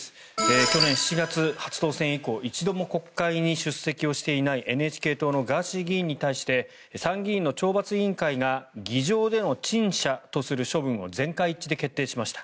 去年７月、初当選以降１度も国会に出席をしていないＮＨＫ党のガーシー議員に対して参議院の懲罰委員会が議場での陳謝とする処分を全会一致で決定しました。